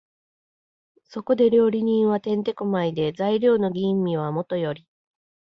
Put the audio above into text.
そこで料理人は転手古舞で、材料の吟味はもとより、